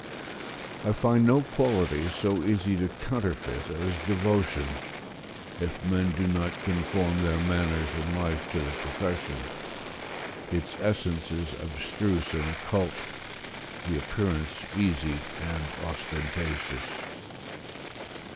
I find no quality so easy to counterfeit as devotion, if men do not conform their manners and life to the profession; its essence is abstruse and occult; the appearance easy and ostentatious.